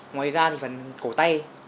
ngoài ra phần cổ tay